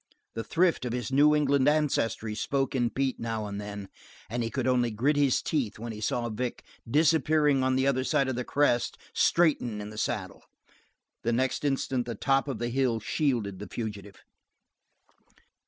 The thrift of his New England ancestry spoke in Pete now and then and he could only grit his teeth when he saw Vic, disappearing on the other side of the crest, straighten in the saddle; the next instant the top of the hill shielded the fugitive.